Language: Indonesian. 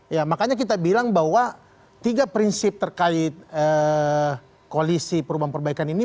ya makanya kita bilang bahwa tiga prinsip terkait koalisi perubahan perbaikan ini